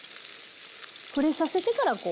触れさせてからこう。